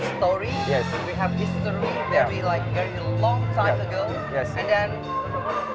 seperti sejak lama lalu